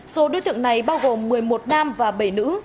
số đối tượng này bao gồm một mươi một nam và bảy nữ